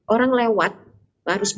orang lewat harus